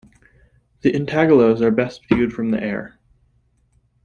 The intaglios are best viewed from the air.